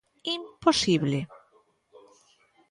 Imposible.